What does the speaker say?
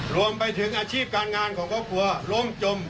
รวมไปถึงอาชีพการงานของครอบครัวล้มจม